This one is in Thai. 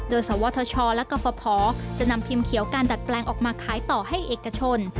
โดยสวทชและกรฟภจะนำพิมพ์เขียวการดัดแปลงออกมาขายต่อให้เอกชน